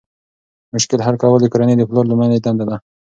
مشکل حل کول د کورنۍ د پلار لومړنۍ دنده ده.